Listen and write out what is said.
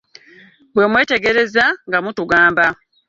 Bwe mwetereeza nga mutugamba.